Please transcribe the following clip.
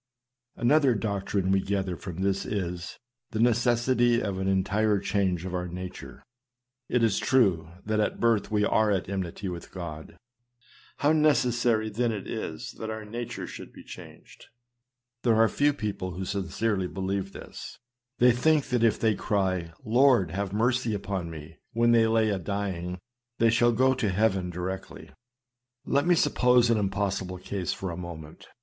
Another doctrine we gather from this is, the necessity of an entire change of our nature. It is true, that by birth we are at enmity with God. How necessary then it is that our nature should be changed ! There are few people who sincerely believe this. They think that if they cry, " Lord, have mercy upon me," when they lay a dying, they shall go to heaven directly. Let me THE CARNAL MIND ENMITY AGAINST GOD. 249 suppose an impossible case for a moment.